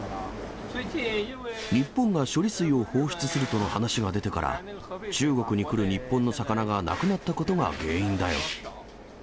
日本が処理水を放出するとの話が出てから、中国に来る日本の魚がなくなったことが原因だよ。